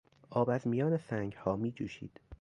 آب از میان سنگها میجوشید.